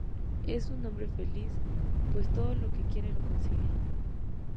Es un hombre feliz, pues todo lo que quiere lo consigue.